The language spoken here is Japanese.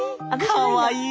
かわいい。